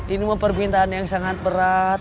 ini permintaan yang sangat berat